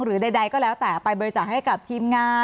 หรือใดก็แล้วแต่ไปบริจาคให้กับทีมงาน